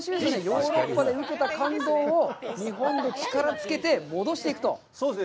ヨーロッパで受けた感動を日本で力をつけて戻していくと。